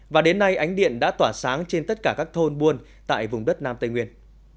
và đến nay ánh điện đã tỏa sáng trên tất cả các thôn buôn tại vùng đất nam tây nguyên